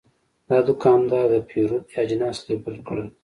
دا دوکاندار د پیرود اجناس لیبل کړل.